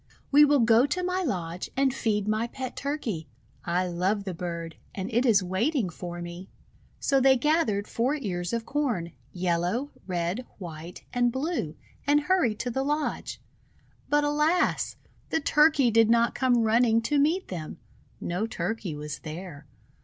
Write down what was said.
We will go to my lodge and feed niy pet Turkey. I love the bird, and it is waiting for me." So they gathered four ears of Corn, yellow, red, white, and blue, and hurried to the lodge. But, alas! the Turkey did not come running to meet them. No Turkey was there.